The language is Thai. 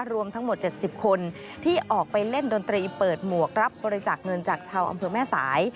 รวมทั้งหมด๗๐คนที่ออกไปเล่นดนตรีเปิดหมวกรับบริจาคเงินจากชาวอำเภอแม่สาย